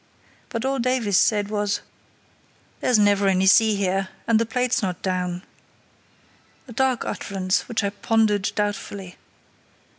But all Davies said was: "There's never any sea here, and the plate's not down," a dark utterance which I pondered doubtfully.